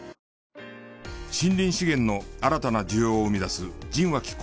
森林資源の新たな需要を生み出す陣脇康平。